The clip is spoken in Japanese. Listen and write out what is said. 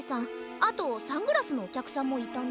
あとサングラスのおきゃくさんもいたな。